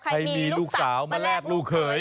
ให้มีลูกสาวมาแลกลูกเขย